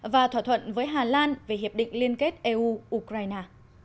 và thỏa thuận với hà lan về hiệp định liên kết eu ukraine